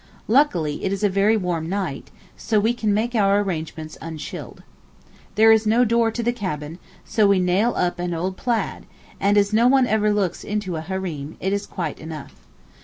Luckily it is a very warm night, so we can make our arrangements unchilled. There is no door to the cabin, so we nail up an old plaid, and, as no one ever looks into a hareem, it is quite enough.